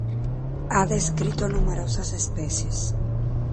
Ha descrito numerosas especies.